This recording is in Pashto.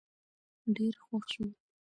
ډېر خوښ شو